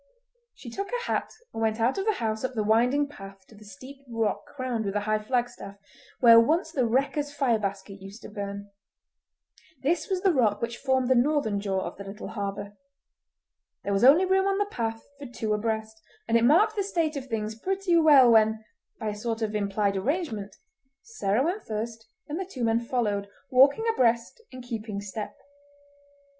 She took her hat and went out of the house up the winding path to the steep rock crowned with a high flagstaff, where once the wreckers' fire basket used to burn. This was the rock which formed the northern jaw of the little harbour. There was only room on the path for two abreast, and it marked the state of things pretty well when, by a sort of implied arrangement, Sarah went first, and the two men followed, walking abreast and keeping step.